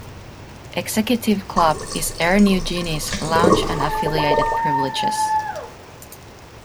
Executive Club is Air Niugini's lounge and affiliated privileges.